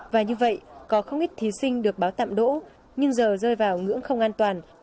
và như vậy có không ít thí sinh được báo tạm đỗ nhưng giờ rơi vào ngưỡng không an toàn